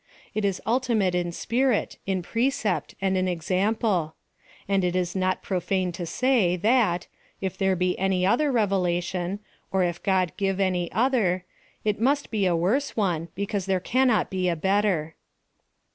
It is ultimate in spirit, in precept, and in example ; and it is not profane to say, that, if there be any other revelation, or if God give any other, it must be a worse one, because there cannot be a better.